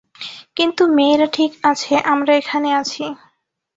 কিন্তু মেয়েরা ঠিক আছে আমরা এখানে আছি।